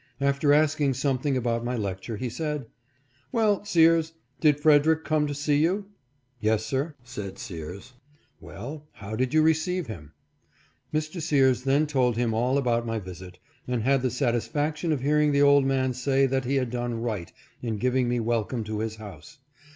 After asking something about my lecture he said, " Well, Sears, did Frederick come to see you ?"" Yes, sir," said Sears. " Well, how did you receive him ?" Mr. Sears then told him all about my visit, and had the satisfaction of hearing the old man say that he had done right in giving me wel come to his house.